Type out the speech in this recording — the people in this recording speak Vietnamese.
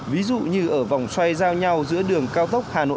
ví dụ như ở vòng xoay giao nhau giữa đường cao tốc hà nội